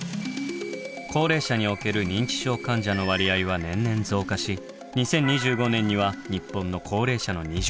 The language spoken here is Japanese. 高齢者における認知症患者の割合は年々増加し２０２５年には日本の高齢者の２０％が。